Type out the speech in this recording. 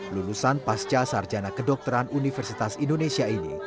lulusan pasca sarjana kedokteran universitas indonesia ini